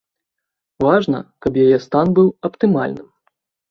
Важна, каб яе стан быў аптымальным.